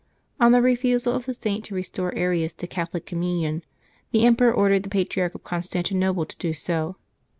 On the refusal of the Saint to restore Arius to Catholic com munion, the emperor ordered the Patriarch of Constanti nople to do so.